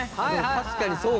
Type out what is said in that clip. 確かにそうかも。